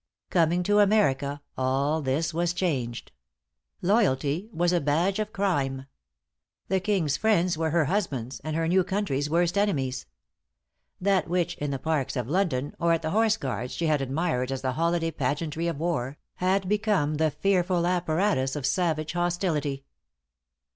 Coming to America, all this was changed. Loyalty was a badge of crime. The king's friends were her husband's, and her new country's worst enemies. That which, in the parks of London, or at the Horse Guards, she had admired as the holiday pageantry of war, had become the fearful apparatus of savage hostility.